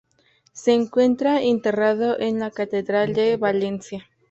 Se encuentra enterrado en la catedral de Valencia.